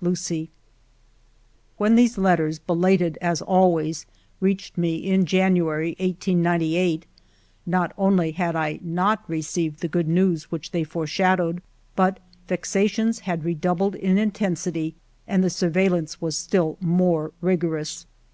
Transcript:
Lucie." When these letters, belated as always, reached me in January, 1898, not only had I not received the good news which they foreshadowed, but vex ations had redoubled in intensity and the surveil lance was still more rigorous.